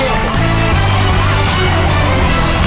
อาวุธแข็งเลย